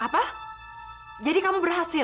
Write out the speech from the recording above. apa jadi kamu berhasil